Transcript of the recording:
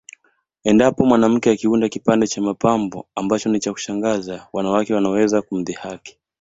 Endapo mwanamke akiunda kipande cha mapambo ambacho ni cha kushangaza wanawake wanaweza kumdhihaki